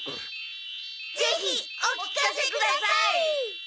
ぜひお聞かせください！